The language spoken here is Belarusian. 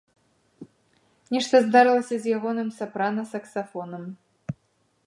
Нешта здарылася з ягоным сапрана-саксафонам.